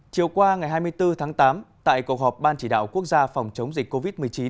chiều qua ngày hai mươi bốn tháng tám tại cuộc họp ban chỉ đạo quốc gia phòng chống dịch covid một mươi chín